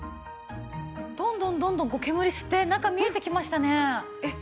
どんどんどんどん煙吸って中見えてきましたね。